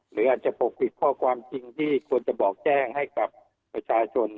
หรืออาจจะปกปิดข้อความจริงที่ควรจะบอกแจ้งให้กับประชาชน